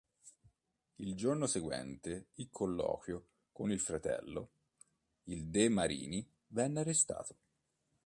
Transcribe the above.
Il giorno seguente il colloquio con il fratello, il De Marini venne arrestato.